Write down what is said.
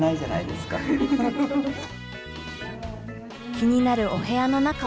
気になるお部屋の中は？